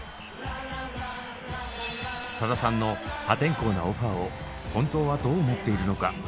さださんの破天荒なオファーを本当はどう思っているのか。